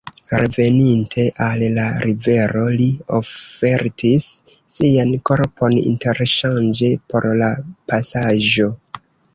Reveninte al la rivero li ofertis sian korpon interŝanĝe por la pasaĵo.